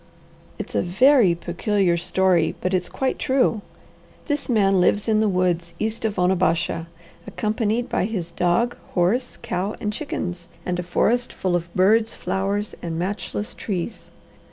It's a very peculiar story, but it's quite true. This man lives in the woods east of Onabasha, accompanied by his dog, horse, cow, and chickens, and a forest full of birds, flowers, and matchless trees.